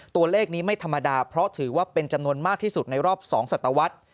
ตัวเลขนี้ไม่ธรรมดาเพราะถือว่าเป็นจำนวนมากที่สุดในรอบ๒ศัตวรรษ